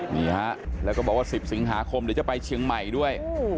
นี่ฮะแล้วก็บอกว่า๑๐สิงหาคมเดี๋ยวจะไปเชียงใหม่ด้วย